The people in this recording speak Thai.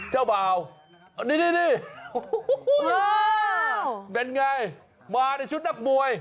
เจ้าบ่าวนี่เป็นไงมาในชุดนักมวย